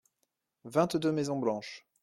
Vingt-deux maisons blanches.